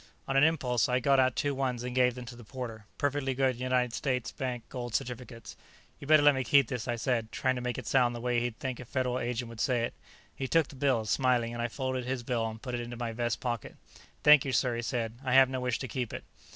On an impulse, I got out two ones and gave them to the porter perfectly good United States Bank gold certificates. "You'd better let me keep this," I said, trying to make it sound the way he'd think a Federal Agent would say it. He took the bills, smiling, and I folded his bill and put it into my vest pocket. "Thank you, sir," he said. "I have no wish to keep it."